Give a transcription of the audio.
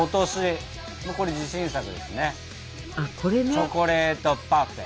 チョコレートパフェ。